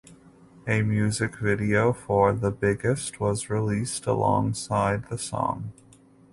A music video for "The Biggest" was released alongside the song.